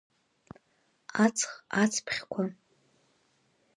Аҵх ацԥхьқәа…